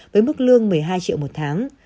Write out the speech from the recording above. với mức lương một mươi hai triệu một tháng